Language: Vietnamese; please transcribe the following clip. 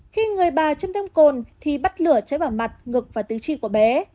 khi người bà châm thêm cồn thì bắt lửa cháy vào mặt ngực và tư chi của bé